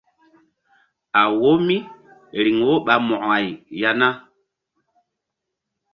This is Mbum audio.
A wo míriŋ wo ɓa mo̧ko-ay ya na?